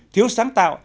thiếu sáng tạo